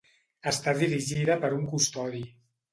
Està dirigida per un custodi.